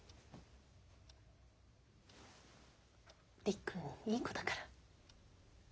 りっくんいい子だから。